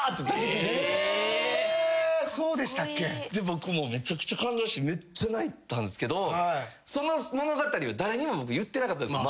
僕もうめちゃくちゃ感動してめっちゃ泣いたんすけどその物語は誰にも僕言ってなかったんです。